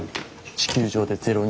地球上で０人説。